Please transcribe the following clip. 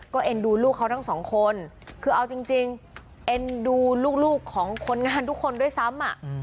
ก็เอ็นดูลูกเขาทั้งสองคนคือเอาจริงเอ็นดูลูกของคนงานทุกคนด้วยซ้ำ